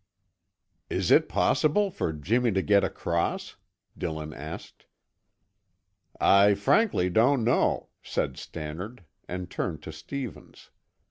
"Is it possible for Jimmy to get across?" Dillon asked. "I frankly don't know," said Stannard and turned to Stevens.